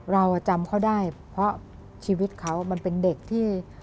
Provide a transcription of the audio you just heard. เราจำเขาได้เพราะชีวิตเขามันเป็นเด็กที่